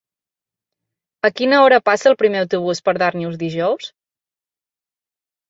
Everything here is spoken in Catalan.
A quina hora passa el primer autobús per Darnius dijous?